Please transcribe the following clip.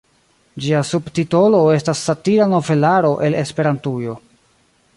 Ĝia subtitolo estas "Satira novelaro el Esperantujo".